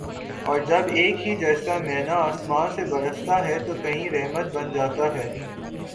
اور جب ایک ہی جیسا مینہ آسماں سے برستا ہے تو کہیں رحمت بن جاتا ہے